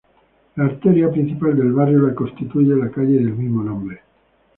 La arteria principal del barrio la constituye la calle del mismo nombre.